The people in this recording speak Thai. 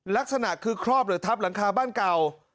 ลักษณะคือครอบหรือทับหลังคาบ้านเก่า